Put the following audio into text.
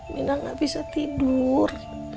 minah gak bisa tidur